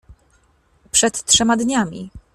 — Przed trzema dniami!